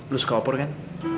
lu suka opor kan